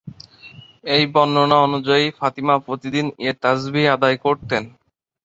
এই বর্ণনা অনুযায়ী ফাতিমা প্রতিদিন এ তাসবীহ আদায় করতেন।